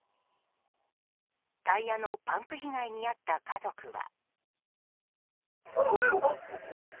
タイヤのパンク被害に遭った家族は。